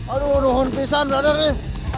aduh nukon pisan ada di sini